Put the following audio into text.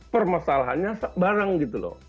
permasalahannya barang gitu loh